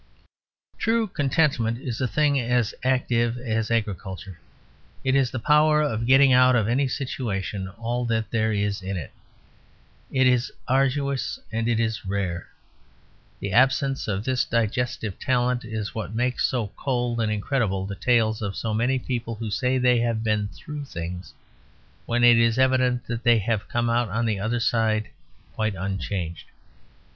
True contentment is a thing as active as agriculture. It is the power of getting out of any situation all that there is in it. It is arduous and it is rare. The absence of this digestive talent is what makes so cold and incredible the tales of so many people who say they have been "through" things; when it is evident that they have come out on the other side quite unchanged.